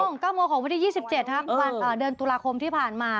๙โมงของวันที่๒๗ครับเดือนตุลาคมที่ผ่านมา